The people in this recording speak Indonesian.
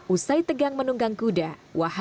usai tegang menunggang kuda